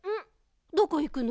どこいくの？